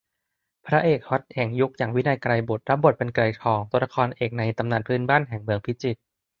พระเอกฮอตแห่งยุคอย่าง วินัย ไกรบุตร รับบทเป็น ไกรทอง ตัวละครเอกในตำนานพื้นบ้านแห่งเมืองพิจิตร